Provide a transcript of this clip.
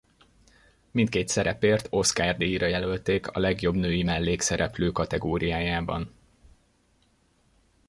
Mindkét szerepért Oscar-díjra jelölték a legjobb női mellékszereplő kategóriájában.